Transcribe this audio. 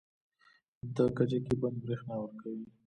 د کجکي بند بریښنا ورکوي